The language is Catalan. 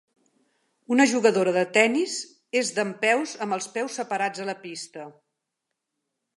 Una jugadora de tennis és dempeus amb els peus separats a la pista.